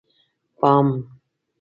_پام!!!